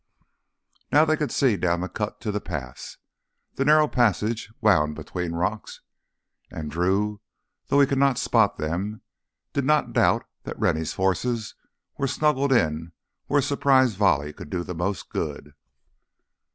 Now they could see down the cut of the pass. The narrow passage wound between rocks and Drew, though he could not spot them, did not doubt that Rennie's forces were snuggled in where a surprise volley could do the most good.